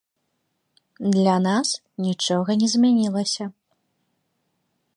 Для нас нічога не змянілася.